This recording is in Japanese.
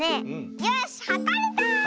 よしはかれた！